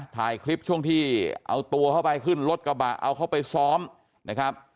ถ่ายคลิปช่วงที่เอาตัวเข้าไปขึ้นรถกระบะเอาเข้าไปซ้อมนะครับ